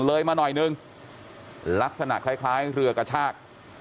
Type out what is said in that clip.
เลยมาหน่อยนึงลักษณะคล้ายเรือกระชาก